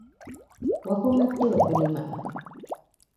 Wakoma ddi okulima?